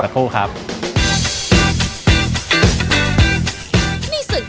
และเคี้ยวซอสขระเดียวของที่นี้นั้น